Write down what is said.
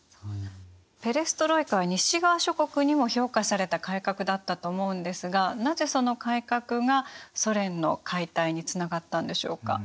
ペレストロイカは西側諸国にも評価された改革だったと思うんですがなぜその改革がソ連の解体につながったんでしょうか？